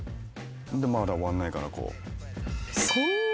でまだ終わんないからこう。